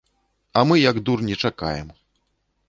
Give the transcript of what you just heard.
А мы, як дурні, чакаем.